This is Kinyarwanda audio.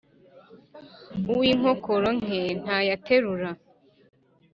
Uw‘inkokora nke ntayaterura.